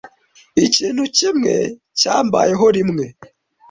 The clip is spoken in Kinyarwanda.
Ikintu kimwe cyambayeho rimwe.